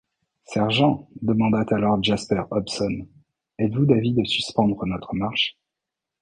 Sergent, demanda alors Jasper Hobson, êtes-vous d’avis de suspendre notre marche?